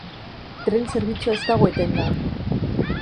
Tren-zerbitzua ez dago etenda.